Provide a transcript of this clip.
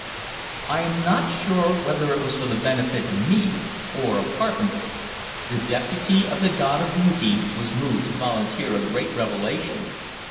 I am not sure whether it was for the benefit of me or of Carpenter. The deputee of the god of beautee was moved to volunteer a great revelation.